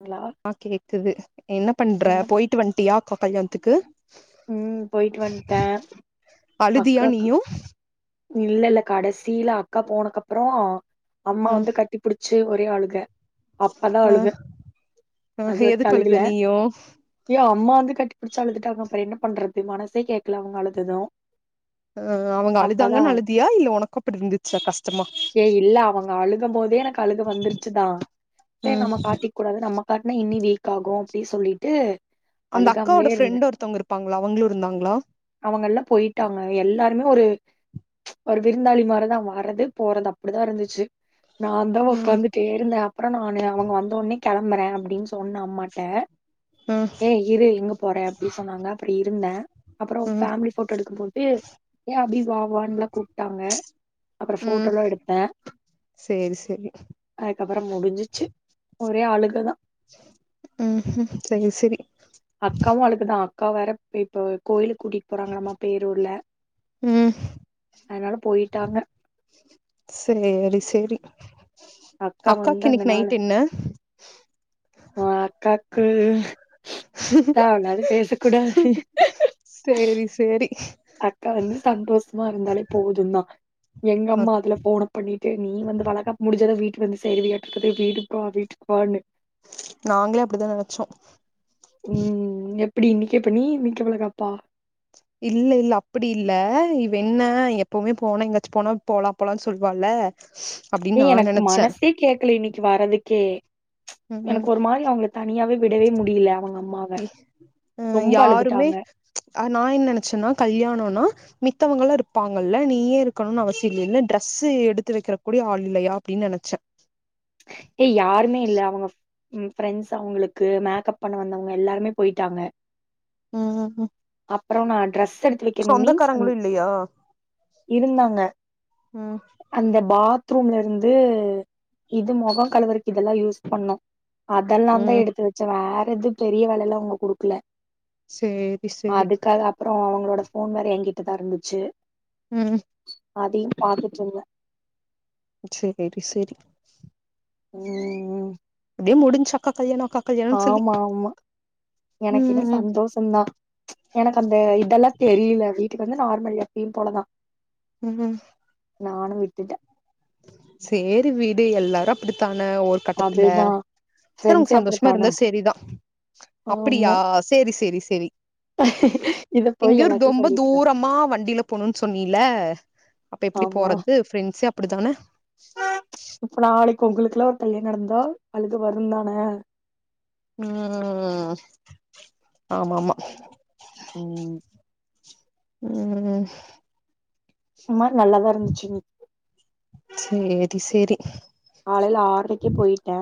hello ஆ கேக்குது என்ன பண்ற போயிட்டு வந்துட்டியா கல்யாணத்துக்கு ம் போயிட்டு வண்ட அழுதியா நீயு இல்ல இல்ல கடேசில அக்கா போனக்கப்றோ அம்மா ம் வந்து கட் டிபுடிச்சு ஒரே அழுக அப்பதா ஆ அலுவ ஆ அது வரைக்கு எதுக்கு அழுத அழுகுல நீயு அப்படியோ அம்மா வந்து கட்டிபிடிச்சு அழுதுட்டாங்க அப்றோ என்ன பண்றது மனசே கேக்கல அவங்க அழுதது ஆ அவங்க அழு ஆனா கஷ்டமா ஏ இல்ல அவங்க அழுக போதே எனக்கு அழுக வந்துரு ச்சுதா ம் கூடாது நம்ம காட்னா இனி வீக் ஆகு அப்டி சொல்லிட்டு அந்த அழுகாமலே அக்காவோட இருந்தே ஃப்ரெண்ட் ஒருத்தவங்க இருப்பாங்களா அவங்களு இருந்தாங்ளா அவங்கல்லா போயிட்டாங்க எல்லாருமே ஒரு ஒரு விருந்தாளி மாரிதா வர்றது போறது அப்டிதா இருந்துச்சு நாந்தா ம் உக்காந்துட்டே இருந்த அப்றோ நானு அவங்க வந்த ஒன்னே கெளம்பறே அப்டின்னு சொன்ன அம்மாட்ட ம் ஏ இரு எங்க போற அப்டி சொன்னாங்க அப்றோ இருந்த அப்றோ ம் ஃபேமிலி ஃபோட்டோ எடுக்கு போது ஏ அபி வா வான்லா கூப்டாங்க அப்றோ ம் ஃபோட்டோலா எடுத்த சேரி சேரி அதுக்கப்றோ முடுஞ்சுச்சு ஒரே ஆழுகதா ம் ம் செரி செரி அக்காவு அழுகதா அக்கா வேற இப்ப கோயிலு கூட்டி போறாங்க நம்மா பேரூர்ல ம் அதனால போயிட்டாங்க சேரி சேரி அக்கா வந்த அக்காக்கு அந்த இன்னைக்கு நாள் நைட் என்ன அக்காக்கு தேவயில்லாது பேசக் கூடாது சேரி சேரி அக்கா வந்து சந்தோஷமா இருந்தாலே போது தா எங்க அம்மா அதுல போன பண்ணிட்டு நீ வந்து வளகாப் முடிச்சாதா வீட்டு வந்து சேருவையாட்டு இருக்குது வீட்டுக்கு வா வீட்டுக்கு வா நாங்களே அப்டிதா நினச்சோ ம் எப்டி இன்நிக்கே பண்ணி இன்நிக்கே வழக்காப்பா இல்ல இல்ல அப்டி இல்ல இவ என்ன எப்பவுமே போனா எங்காச்சு போனா போலா போலான்னு சொல்வால ஏ எனக்கு மனசே கேக்கல இன்னைக்கு வரதுக்கே ம் எனக்கு ஒரு மாறி அவங்கள தனியாவே வி விடவே முடில அவங்க அம்மாவ ரொம்ப அழுதுட்டாங்க ஆ நா என்ன நினைச்சேன்னா கல்யாணோனா மித்தவங்கலா இருப்பாங்கல்ல நீ ஏ இருக்கணுன அவசி இல்லேல்ல டிரரெஸ்ஸு எடுத்து வைக்ற கூடிய ஆள் இல்லையா அப்டின்னு நினச்சே ஏ யாருமே இல்ல அவங்க ம் ஃப்ரெண்ட்ஸ் அவங்களுக்கு மேக்கப் பண்ண வந்தவங்க எல்லாருமே பொய்ட்டாங்க ம் அப்றோ நா ட்ரெஸ் எடுத்து வைக்கணு மீன்ஸ் அ சொந்தக்காரங்களு இல்லையா இருந்தாங்க ம் அந்த பாத்ரூம்லருந்து இது மொகோ கலுவுரக்கு இதெல்லா யூஸ் பண்ணோ அதெல்லா தா ம் எடுத்து வச்சே வேற எது பெரிய வேலல்ல அவங்க குடுக்கல சேரி சேரி அதுக்காக அப்புறோ அவங்களோட போன் வேற ஏங்கிட்ட தா இருந்துச்சு ம் அதையு பாத்துட்டு இருந்தே சேரி செரி ம் அதே முடிஞ்சு அக்கா கல்யாணோ அக்கா கல்யாணோன்னு சொல்லி ஆமா ஆமா எனக்கு என்ன ம் ம் சந்தோஷ சரிங்களா எனக்கு அந்த இதெல்லா தெரியல வீட்டுக்கு வந்து நார்மல் எப்பயு போலதா ம் நானு விட்டுட்டே சேரி விடு எல்லாரு அப்டித்தானே ஒரு கட்டத்துல அதுதா சரி அவங்க ஃப்ரெண்ட்ஸே சந்தோஷமா இருந்தா அப்படித்தானே சேரிதா அப்டியா ஆமா சேரி சேரி சேரி இத போய் எங்கயோ எல்லாத்தையு ரொம்ப சொல்லிருக்கே தூரமா வண்டில போணுன்னு சொன்னைல அப்ப எப்டி ஆமா போறது ஃபிரண்ட்ஸ்ஸே இப்ப நாளைக்கு உங்களுக்கெல்லா ஒரு கல்யாண நடந்தா அழுக வருந்தானே ம் ஆமா ஆமா ம் ம் ஒருமாறி நல்லாதா இருந்துச்சு சேரி சேரி காலைல ஆறுறை க்கே போயிட்டே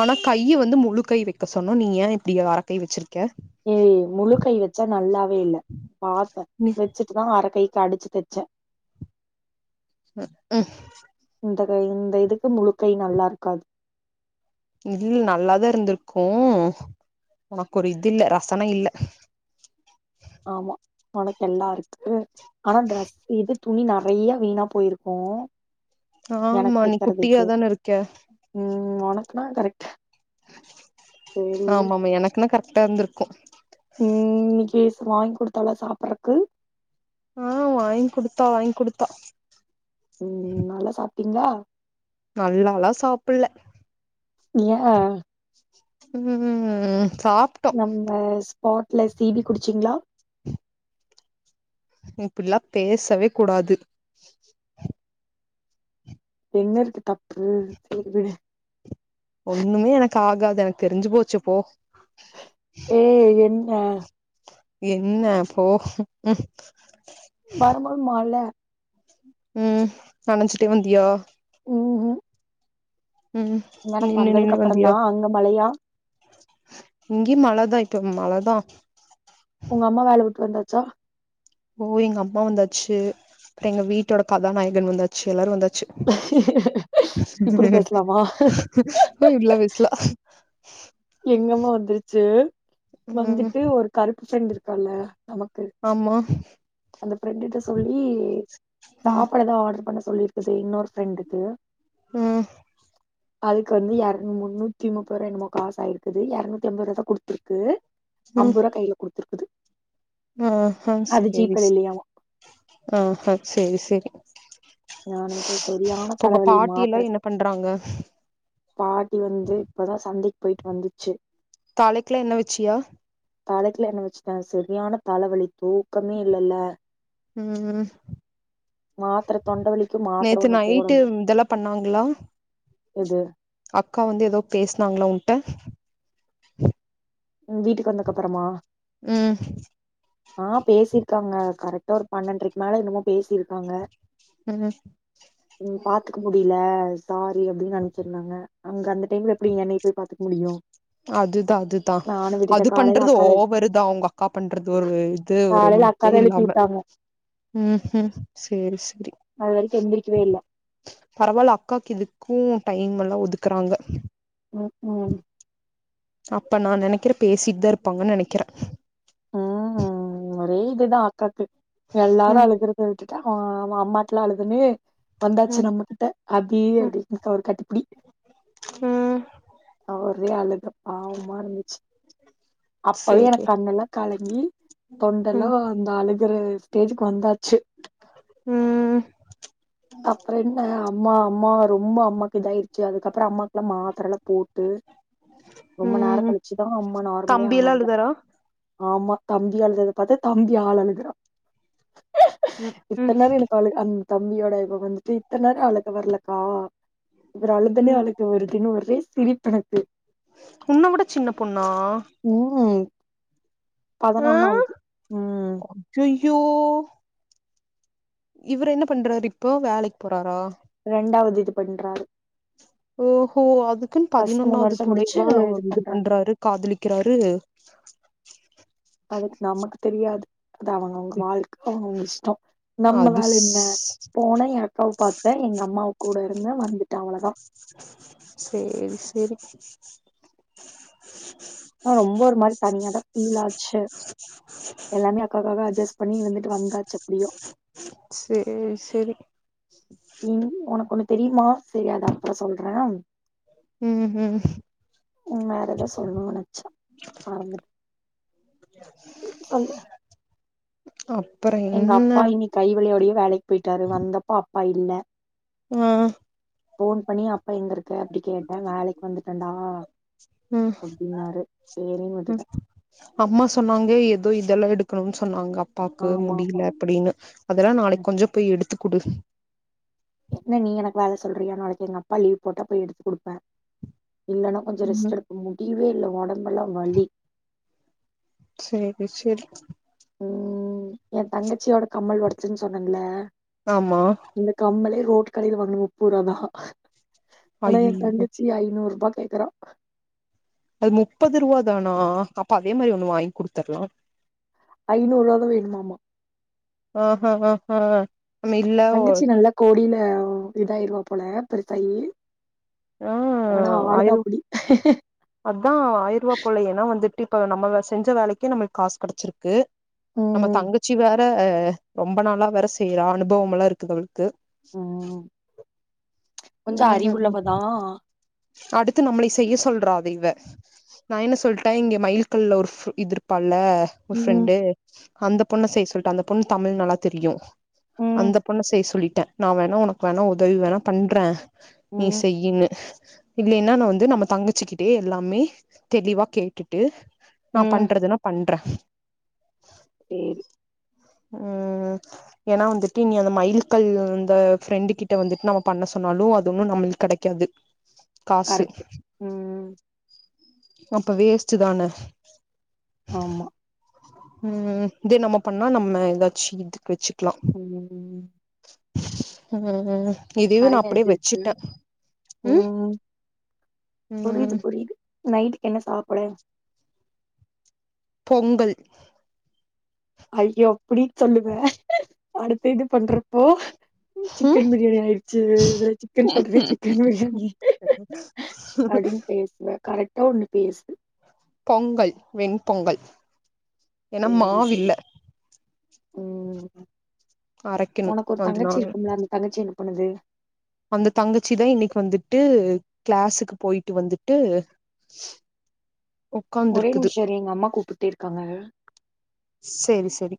ஆனா கையி வந்து முழுக்கை வைக்க சொன்னோ நீ ஏ இப்டி அரக்கை வச்சிருக்கே ம் முழுகைவச்சா நல்லாவே இல்ல பாத்தே நீ அதா அரகைக்கு அடிச்சு தைச்சே ம் இந்தது இந்த இதுக்கு முழுகை நல்லாருக்காது இல்ல நல்லாதாருந்திருக்கு உனக்கு ஒரு இது இல்ல ரசனா இல்ல ஆமா உனக்கு எல்லாருக்குது ஆனா டரெஸ் இது துணி நெறைய வீணா போயிருக்கு ஆமா நீ குட்டியாதானே இருக்க ம் ஓனகுலா கரெக்ட்ட ஆமா மா எனக்குலா கரெக்டாருந்திருக்கு ம் இன்னிகேஸ் வாங்கக்குடுத்தால சாப்பறக்கு ஆ வாங்க்குடுத்தா வாங்க்குடுத்தா ம் நல்லா சாப்டிங்ளா நல்லாலா சாப்பில்ல ஏ ம் சாப் நம்ம ஸ்பாட்ல சி பி குடிச்சிங்ளா இப்டில்லா பேசவே கூடாது என்ன இருக்கு தப்பு சேரி விடு ஒண்ணுமே எனக்கு ஆகாது எனக்கு தெரிஞ்சு போச்சு போ ஏ என்ன என்ன போ வரம்போது மழ ம் நனஞ்சிட்டே வந்தியா ம் ஹ் ம் நின்னு நின்னு வந்ததுக்கு அப்புற வந்தியா தா அங்க மழையா இங்கியு மழதா இப்ப மழதா உங்கம்மா வேலவிட்டு வந்தாச்சா ஓ எங்க அம்மா வந்தாச்சு எங்க வீட்டோட கதாநாயகன் வந்தாச்சு எல்லாரு வந்தாச்சு இப்படி பேசலாமா அ இப்டிலா பேசலா எங்கம்மா வந்துருச்சு ம் வந்துட்டு ஒரு கருப்பு ஃப்ரண்டு இருக்கால நமக்கு ஆமா அந்த ஃபிரண்டுட்ட சொல்லி ம் சாப்பாடு எதோ ஆடர் பண்ண சொல்லிரு இது இன்னொரு ஃப்ரெண்டுது ம் அதுக்கு வந்து எரனு முன்னூத்தி முப்பதோ என்னமோ காசாயிருக்குது எரநூத்தி எம்பதுருவாதா குடுத்திருக்கு அம்பருவா கைல குடுத்திருக்குது ஆ ஹ சேரி சே இல்லையாமா ஆ ஹ செரி செரி நானுக்கு சரியான இப்ப உங்க தலைவலி பாட்டி எல்லா மாத்திர என்ன பண்றாங்க பாட்டி வந்து இப்பதா சந்தைக்கு போய்ட்டு வந்துச்சு தலைக்குலா எண்ணெ வெச்சியா தலைக்குலா எண்ணெ வெச்சுட்ட செரியான தலவலி தூக்கமே இல்லல ம் ம் மாத்திர தொண்ட வலிக்கு மாத்திர நேத்து ஒண்ணு நைட்டு போடணு இதெல்லா பண்ணாங்களா எது அக்கா வந்து எதோ பேசுனாங்ளா உங்ட்ட ம் வீட்டுக்கு வந்தக்கப்பறமா ம் ஆ பேசிருக்காங்க கரெக்டா ஒரு பன்னெண்ட்ரைக்கு மேல என்னமோ பேசிருக்காங்க ம் ம் பாத்துக்க முடில சாரி அப்டின்னு அனுப்ச்சிருந்தாங்க அங்க அந்த டைம்ல எப்டி என்னய போய் பாத்துக்க முடியு அதுதா அதுதா நானு விட்டுட்டே அது காலைல பண்றது அக்காதா ஓவருதா உங்க அக்கா பண்றது ஒரு இது ஒரு காலைல இதே அக்காதா எழுப்பி இல்லாம விட்டாங்க ம் ம் சேரி சேரி அது வரைக்கு எந்திரிக்கவே இல்ல பரவால அக்காக்கு இதுக்கு டைம் எல்லா ஒதுக்கறாங்க ம் ம் அப்ப நா நெனைக்கிற பேசிட் தா இருப்பாங்கன் நெனைக்கிற ம் ஒரே இதுதா ஆக்காக்கு எல்லாரு ம் அழுதுருக் சொல்ட்டு தா அவ அம்மாட்லா அழுதுன்னு ம் வந்தாச்சி நம்ம கிட்ட அதே எடுத்துக்க ஒரு கட்டிப்புடி ஓ ஆ ஒரே அழுக பாவமா இருந்துச்சி அப்பவே சேரி எனக்கு கண்ணுல கலங்கி ம் தொண்டெல்லா அந்த அழுகுற ஸ்டேஜ்க்கு வந்தாச்சு ம் அப்பற என்ன அம்மா அம்மா ரொம்ப அம்மாக்கு இதாய்ர் ச்சு அதுக்கப்பற அம்மாக்குல்லா மாத்தரல்லா போட்டு ரொம்ப நேர ம் கழிச்சிதா அம்மா நார்மலே தம்பில்லா ஆனாங்க அழுதாரா ஆமா தம்பி ஆழுதத பாத்து தம்பி ஆள் அழுகுறா ம் ம் இத்தன் நாள் எனக் அழுக அந் தம்பியோட இவ வந்துட்டு இத்தன் நேரோ அழுக வர்லக்கா இவர் அழுதுனே ம் அவளுக்கு வருதுனு ஒரே சிரிப்பெணக்கு உன்ன விட சின்ன பொண்ணா ம் பதனொன்னாவது ம் அய்யோ இவரு என்ன பண்றாரு இப்போ வேலைக் போறாரா இரண்டாவது இது பண்றாரு ஓஹோ அதுக்குன் ஃபர்ஸ்ட் மூணு பதினொன்னாவது வருஷ முடிச்சு புள்ளைவா இது பண்றாரு காதலிக்கறாரு அதுக் நமக்கு தெரியாது அது அவங்க அவங்க வாழ்க்க அவுங்க அவுங்க இஷ்டோ நம்ம அது வேல என்ன போனே எ அக்காவ பாத்த எங்க அம்மாவு கூட இருந்த வந்துட்ட அவ்ளதா சேரி சேரி ஆ ரொம்ப ஒரு மாரி தனியா தா ஃபீல் ஆச்சு [inaudible] எல்லாமே அக்காக்காக அஜ்ஜஸ் பண்ணி இருந்துட்டு வந்தாச்சி எப்டியோ சேரி சேரி ம் உனக்கு ஒண்ணு தெரியுமா தெரியாதா அப்பறம் சொல்ற ம் ம் ம் வேற எதோ சொல்னு நெனச்ச மறந்துட் சொல்லு அப்பறோ எங்க என்ன அப்பா இன்னிக் கை வலியோடயே வேலைக் போய்ட்டாரு வந்தப்போ அப்பா இல்ல ஆ ஃபோன் பண்ணி அப்பா எங்க இருக்க அப்டி கேட்ட வேலலக் வந்துட்டன்டா ம் அப்டின்னாரு சேரின் விட்டுட்ட ம் அம்மா சொன்னாங்க ஏதோ இதெல்லா எடுக்கறோ சொன்னாங்க அப்பாக்கு ஆமா முடியில ஆமா அப்டின்னு அதெல்லா நாளைக்கு கொஞ்ச போய் எடுத்துக் குடு என்ன நீ எனக்கு வேல சொல்றியா நாளைக்கு எங்க அப்பா லீவ் போட்டா போய் எடுத்து குடுப்பே இல்லனா கொஞ்ச ம் ரெஸ்ட் எடுப்போ முடியவே இல்ல ஒடம்பெல்லா வலி செர் ரெஸ்ட் எடு ம் எ தங்கச்சியோட கம்மல் ஒடச்சுன் சொன்னல்ல ஆமா இந்த கம்மலே ரோட்டு் கடையில வாங்கன நூப்போரூவாதா ஆனா எ ஐயையோ தங்கச்சி ஐநூறுரூபா கேக்கறா அது முப்பது ரூபா தானா அப்ப அதே மாரி ஒண்ணு வாங்கி குடுத்தர்லா ஐநூறுரூவாதா வேண்மா மா ஆஹஹ ஹ தங்கச்சி நல்லா கோடியில இதாயிருவா போல பெருத்தாயி ஆ ஆனா ஆளுதா ஆயிர அப்டி அதா ஆயிருவா போலயே ஏன்னா வந்துட்டு இப்ப நம்ம செஞ்ச வேலக்கி நம்மளுக்கு காசு கெடச்சிருக்கு நம்ம ம் தங்கச்சி வேற ரொம்ப நாளா வேற செய்றா அனுபவம் எல்லாம் இருக்குது அவளுக்கு கொஞ்ச ம் அறிவுள்ளவதா அடுத்து நம்மளை செய்ய சொல்றா அத இவ நா என்ன சொல்ட்ட இங்க மயில் கல்ல ஒரு இது இருப்பால ஒரு ம் ஃப்ரெண்டு அந்த பொண்ண செய்ய சொல்ட்டே அந்த பொண்ணு தமிழ் நல்லா தெரியு ம் அந்த பொண்ண செய்ய சொல்லிட்டே நா வேணா உனக்கு வேணா உதவி வேணா பன் ற நீ ம் செய்யின்னு இல்லினா நா வந்து நம்ம தங்கச்சுக்கிட்டே எல்லாமே தெளிவா கேட்டுட்டு நா ம் பண்றதுன்னா பண்ற செரி ம் ஏன்னா வந்துட்டு நீ அந்த மயில்கல் அந்த ஃபெரண்டுகிட்ட வந்துட்டு நம்ம பண்ண சொ சொன்னாலு அது ஒண்ணும் நம்முளுக்கு கெடைக்காது காசு கரெக்ட் ம் அப்ப வேஸ்டு தான ஆமா ம் இது நம்ம பண்ணா நம்ம எதாச்சு இதுக்கு வச்சுக்களா [inaudible] ம் ம் ம் இதயு நா நெறைய அப்டியே இது இருக்கு வச்சுட்டே ம் புரியுது ம் புரியுது நைட்டுக்கு என்ன சாப்டு பொங்கல் ஐயோ அப்டி சொல்லுவ அடுத்த இது பண்றப்போ ம் சிக்கன் பிரியாணி ஆயிடுச்சு இ சிக்கன் பொட்ட ஒன்னே சிக்கன் பிரியாணி அப்டின்னு பேசுவ கரெக்டா ஒண்ணு பேசு பொங்கல் வெண் பொங்கல் செரி செ ம் அரைக்கணு உனக்கு ஒரு தங்கச்சி அதனால இருக்கும்ல்லா அந்த தங்கச்சி என்ன பண்ணுது அந்த தங்கச்சி தா இன்னைக்கு வந்துட்டு கிளாஸ்சுக்கு போய்ட்டு வந்துட்டு [inaudible] ஒரே உக்காந்துருக்குது நிமிஷம்இரு எங்க அம்மா கூப்ட்டே இருக்காங்க சேரி சேரி